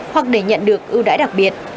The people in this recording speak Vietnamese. hoặc để nhận được ưu đại đặc biệt